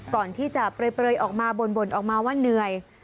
ก่อนที่จะเปลยออกมาบ่นออกมาว่าเหนื่อย